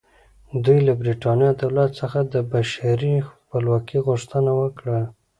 دوی له برېټانیا دولت څخه د بشپړې خپلواکۍ غوښتنه وکړه.